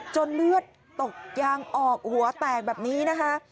เลือดตกยางออกหัวแตกแบบนี้นะคะ